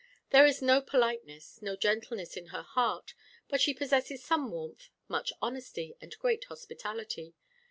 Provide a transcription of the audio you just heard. There is no politeness, no gentleness in her heart; but she possesses some warmth, much honesty, and great hospitality.